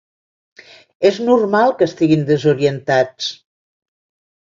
És normal que estiguin desorientats.